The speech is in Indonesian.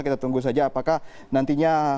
kita tunggu saja apakah nantinya